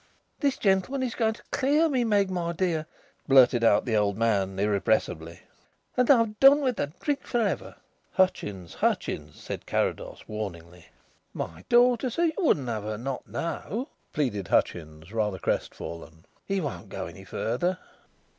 "This gentleman is going to clear me, Meg, my dear," blurted out the old man irrepressibly. "And I've done with the drink for ever." "Hutchins! Hutchins!" said Carrados warningly. "My daughter, sir; you wouldn't have her not know?" pleaded Hutchins, rather crest fallen. "It won't go any further."